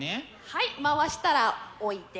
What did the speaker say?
はい回したら置いて。